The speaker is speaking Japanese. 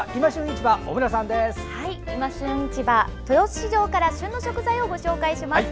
市場から旬の食材をご紹介します。